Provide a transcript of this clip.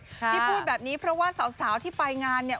ที่พูดแบบนี้เพราะว่าสาวที่ไปงานเนี่ย